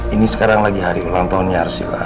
ini sekarang lagi hari ulang tahunnya arsila